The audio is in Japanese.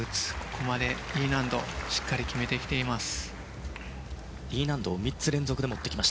ここまでＥ難度しっかり決めてきています。